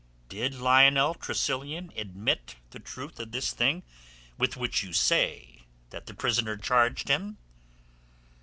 Did Lionel Tressilian admit the truth of this thing with which you say that the prisoner charged him?"